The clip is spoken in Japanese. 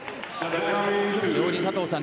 非常に佐藤さん